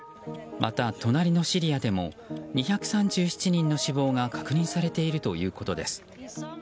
また、隣のシリアでも２３７人の死亡が確認されているということです。